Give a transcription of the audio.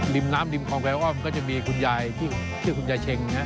ริมน้ำริมของแก่อ้อมก็จะมีคุณยายที่คุณยายเช็ง